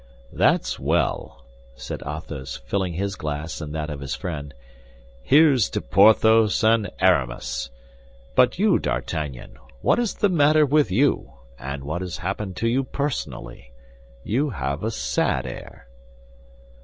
"That's well!" said Athos, filling his glass and that of his friend; "here's to Porthos and Aramis! But you, D'Artagnan, what is the matter with you, and what has happened to you personally? You have a sad air."